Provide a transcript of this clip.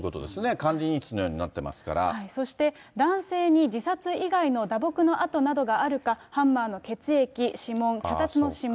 管理人室のようになっていますかそして、男性に自殺以外の打撲の跡などがあるか、ハンマーの血液、指紋、脚立の指紋、